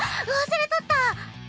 忘れとった！